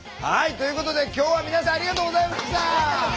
ということで今日は皆さんありがとうございました！